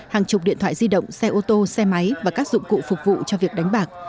hàng chục điện thoại di động xe ô tô xe máy và các dụng cụ phục vụ cho việc đánh bạc